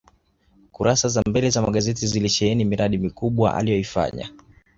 kurasa za mbele za magazeti zilisheheni miradi mikubwa aliyoifanya